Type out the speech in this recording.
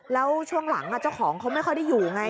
แล้วช่วงหลังเจ้าของเขาไม่ค่อยได้อยู่ไง